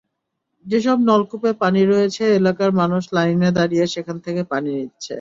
যেসব নলকূপে পানি রয়েছে, এলাকার মানুষ লাইনে দাঁড়িয়ে সেখান থেকে পানি নিচ্ছে।